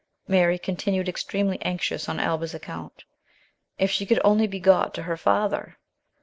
Mary continued extremely anxious on Alba's account. If she could only be got to her father